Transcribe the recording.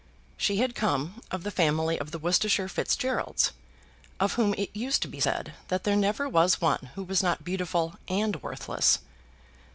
She had come of the family of the Worcestershire Fitzgeralds, of whom it used to be said that there never was one who was not beautiful and worthless.